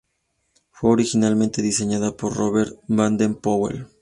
Fue originalmente diseñada por Robert Baden-Powell.